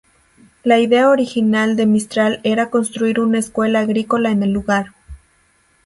La idea original de Mistral era construir una escuela agrícola en el lugar.